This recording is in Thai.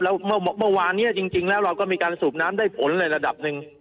แล้วเมื่อวานนี้จริงแล้วเราก็มีการสูบน้ำได้ผลในระดับหนึ่ง